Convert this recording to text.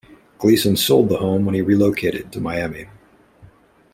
Gleason sold the home when he relocated to Miami.